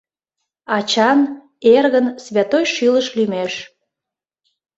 Ачан, эргын святой шӱлыш лӱмеш...